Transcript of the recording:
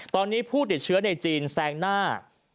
ตอนนี้ผู้ติดเชื้อในจีนแซงหน้า